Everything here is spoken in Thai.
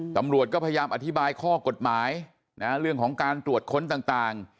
ตำรวจก็พยายามอธิบายข้อกฎหมายเรื่องของการตรวจค้นต่าง